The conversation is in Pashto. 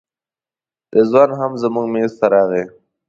رضوان هم زموږ میز ته راغی.